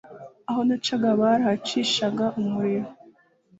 aho nacaga barahacishaga umuriro